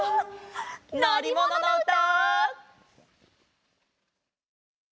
のりもののうた！